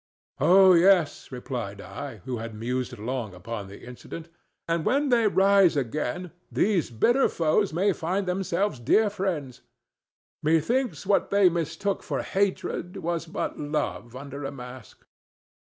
"Oh yes," replied I, who had mused long upon the incident; "and when they rise again, these bitter foes may find themselves dear friends. Methinks what they mistook for hatred was but love under a mask."